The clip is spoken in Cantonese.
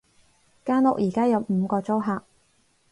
間屋而家有五個租客